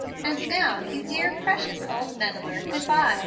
And now, you dear, precious, old meddler, good by.